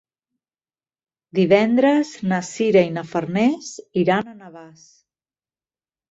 Divendres na Sira i na Farners iran a Navàs.